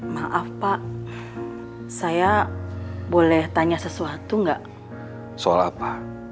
maaf pak saya boleh tanya sesuatu nggak soal apa